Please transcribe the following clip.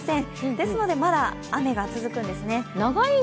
ですので、まだ雨が続くんですね。